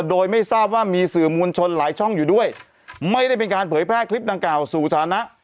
โดยไม่ทราบว่ามีสื่อมวลชนหลายช่องอยู่ด้วยไม่ได้เป็นการเผยแพร่คลิปดังกล่าวสู่สถานะ